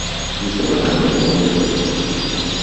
Místem konání je brněnské výstaviště.